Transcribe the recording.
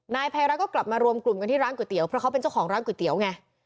นายภัยรัฐก็กลับมารวมกลุ่มกันที่ร้านก๋วยเตี๋ยวเพราะเขาเป็นเจ้าของร้านก๋วยเตี๋ยวไง